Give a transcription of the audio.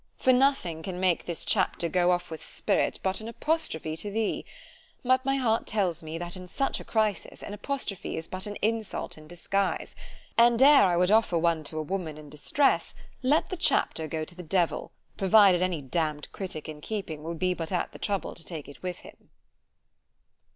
_ ——For nothing can make this chapter go off with spirit but an apostrophe to thee——but my heart tells me, that in such a crisis an apostrophe is but an insult in disguise, and ere I would offer one to a woman in distress—let the chapter go to the devil; provided any damn'd critic in keeping will be but at the trouble to take it with him.